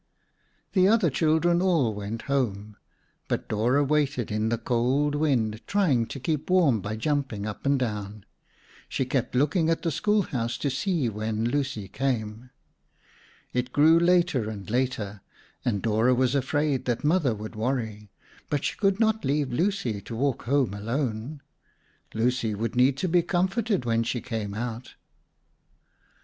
The other children all went home, but Dora waited in the cold wind, trying to keep warm by jumping up and down. She kept looking at the schoolhouse to see when Lucy came. It grew later and later and Dora was afraid that Mother would worry, but she could not leave Lucy to walk home alone. Lucy would need to be comforted when she came out.